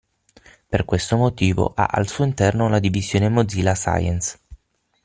Per questo motivo ha al suo interno la divisione Mozilla Science.